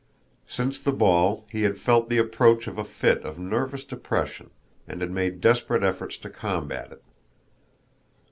Since the ball he had felt the approach of a fit of nervous depression and had made desperate efforts to combat it.